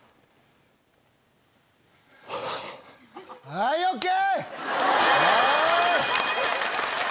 はいＯＫ！